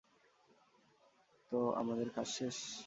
তো আমাদের কাজ শেষ?